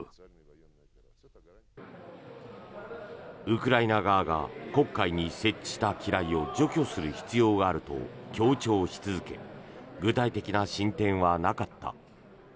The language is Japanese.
ウクライナ側が黒海に設置した機雷を除去する必要があると強調し続け具体的な進展はなかった。